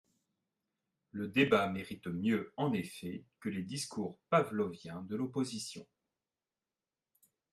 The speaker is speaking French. Le débat mérite mieux en effet que les discours pavloviens de l’opposition.